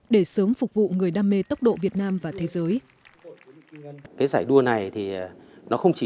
để sớm phục vụ người đam mê tốc độ việt nam và thế giới